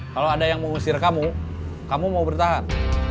kalau ada yang mengusir kamu kamu mau bertahan